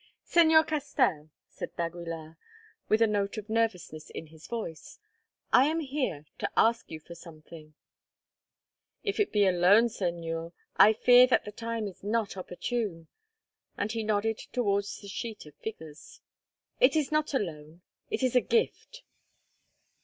"Señor Castell," said d'Aguilar, with a note of nervousness in his voice, "I am here to ask you for something." "If it be a loan, Señor, I fear that the time is not opportune." And he nodded towards the sheet of figures. "It is not a loan; it is a gift."